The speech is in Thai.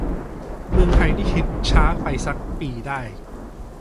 เมืองไทยนี่ฮิต ช้าไปซัก ปีได้